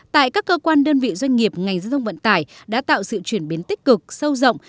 tại các cơ quan đơn vị doanh nghiệp ngành giao thông vận tải đã tạo sự chuyển biến tích cực sâu rộng